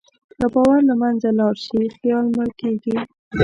که باور له منځه لاړ شي، خیال مړ کېږي.